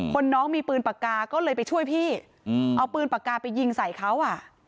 น้องมีปืนปากกาก็เลยไปช่วยพี่เอาปืนปากกาไปยิงใส่เขาอ่ะ